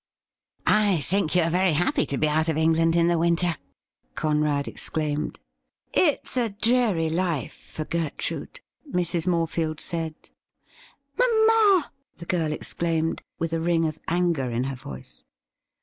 ' I think you are very happy to be out of England in the winter !' Conrad exclaimed. ' It is a dreary life for Gertrude,' Mrs. Morefield said. ' Mamma !' the girl exclaimed, with a ring of anger in her voice.